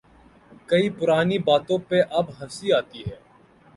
کئی پرانی باتوں پہ اب ہنسی آتی ہے۔